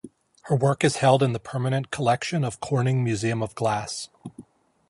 Her work is held in the permanent collection of Corning Museum of Glass.